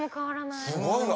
すごいわ。